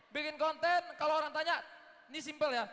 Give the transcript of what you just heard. bikin konten kalau orang tanya ini simpel ya